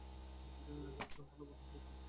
কিছুদিন আগে একজন ভালো বন্ধু হারিয়েছি আমি।